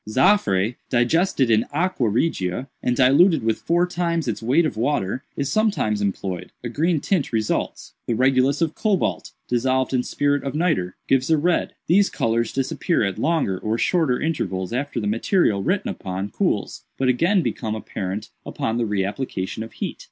Zaffre, digested in aqua regia, and diluted with four times its weight of water, is sometimes employed; a green tint results. The regulus of cobalt, dissolved in spirit of nitre, gives a red. These colors disappear at longer or shorter intervals after the material written upon cools, but again become apparent upon the re application of heat.